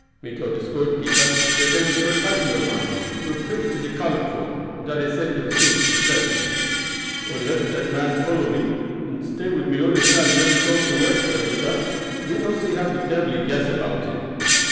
Me told de storekeeper dat dey was for cousin of mine, who preach to de colored folk, and dat I send him suit as present. Onless dat man follow me and watch me all de time till we go off together, sah, me no see how de debbil he guess about it."